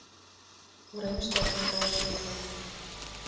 Уремыште эртен кайышым, манам.